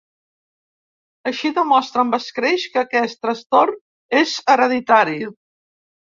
Això demostra amb escreix que aquest trastorn és hereditari.